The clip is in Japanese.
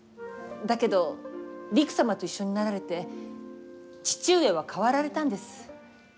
だけど、りく様と一緒になられて父上は変わられたんです。